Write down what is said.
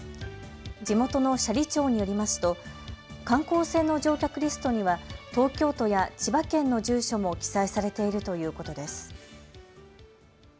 地元の斜里町によりますと観光船の乗客リストには東京都や千葉県の住所も記載されているということです。